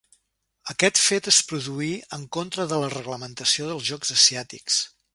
Aquest fet es produí en contra de la reglamentació dels Jocs Asiàtics.